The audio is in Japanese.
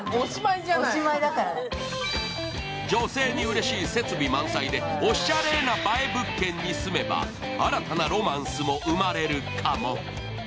女性にうれしい設備満載でおしゃれな映え物件に住めば新たなロマンスも生まれるかも？